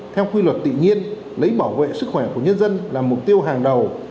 theo quy luật tự nhiên lấy bảo vệ sức khỏe của nhân dân là mục tiêu hàng đầu